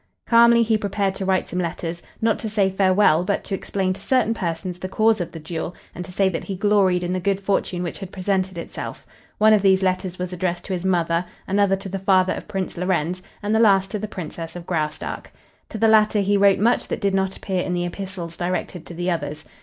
Calmly he prepared to write some letters, not to say farewell, but to explain to certain persons the cause of the duel and to say that he gloried in the good fortune which had presented itself. One of these letters was addressed to his mother, another to the father of Prince Lorenz, and the last to the Princess of Graustark. To the latter he wrote much that did not appear in the epistles directed to the others.